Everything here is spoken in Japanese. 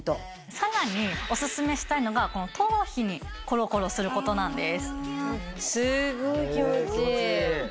さらにオススメしたいのがこの頭皮にコロコロすることなんです。